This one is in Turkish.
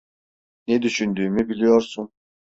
Ne düşündüğümü biliyorsun.